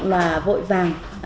và vội vàng